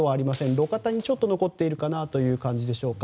路肩にちょっと残っているかなという感じでしょうか。